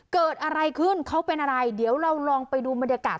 เกิดอะไรขึ้นเขาเป็นอะไรเดี๋ยวเราลองไปดูบรรยากาศ